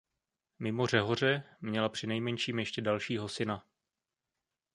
Mimo Řehoře měla přinejmenším ještě dalšího syna.